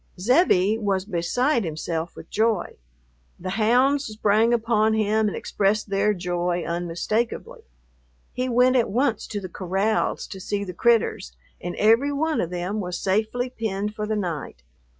Zebbie was beside himself with joy. The hounds sprang upon him and expressed their joy unmistakably. He went at once to the corrals to see the "critters," and every one of them was safely penned for the night.